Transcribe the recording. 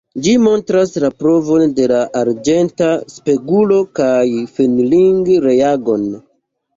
Ĝi montras la provon de la arĝenta spegulo kaj Fehling-reagon.